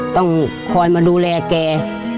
ต้องคอยมาดูแลแก